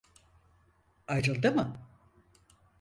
Ayrıldı mı?